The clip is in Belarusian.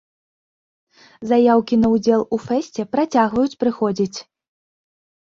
Заяўкі на ўдзел у фэсце працягваюць прыходзіць.